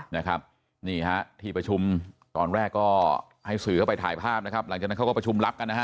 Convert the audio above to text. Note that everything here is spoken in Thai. นะครับนี่ฮะที่ประชุมตอนแรกก็ให้สื่อเข้าไปถ่ายภาพนะครับหลังจากนั้นเขาก็ประชุมรับกันนะฮะ